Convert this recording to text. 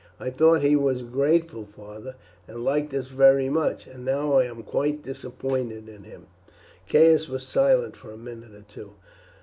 I thought he was grateful, father, and liked us very much, and now I am quite disappointed in him." Caius was silent for a minute or two.